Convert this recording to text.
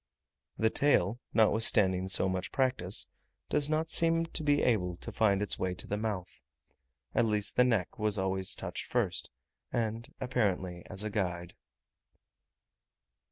The tail, notwithstanding so much practice, does not seem to be able to find its way to the mouth; at least the neck was always touched first, and apparently as a guide.